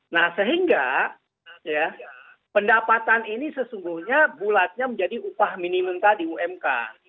nah sehingga pendapatan ini sesungguhnya bulatnya menjadi upah minimum tadi umk